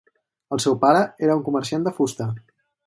El seu pare era un comerciant de fusta.